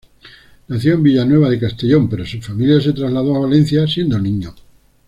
Nació en Villanueva de Castellón, pero su familia se trasladó a Valencia siendo niño.